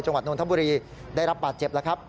จังหวัดนทบุรีได้รับบาดเจ็บแล้วครับ